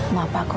maaf pak kohar